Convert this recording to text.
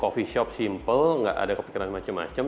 coffee shop simpel gak ada kepikiran macem macem